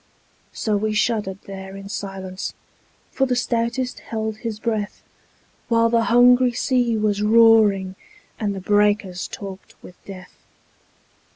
So we shuddered there in silence, For the stoutest held his breath, While the hungry sea was roaring And the breakers talked with death.